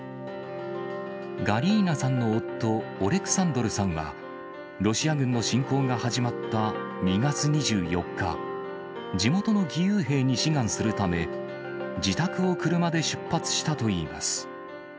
ガリーナさんの夫、オレクサンドルさんは、ロシア軍の侵攻が始まった２月２４日、地元の義勇兵に志願するため、自宅を車で出発したといいます。